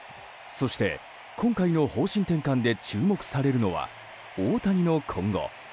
そして、今回の方針転換で注目されるのは大谷の今後。